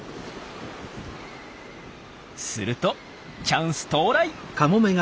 するとチャンス到来！